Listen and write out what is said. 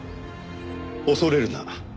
「恐れるな」。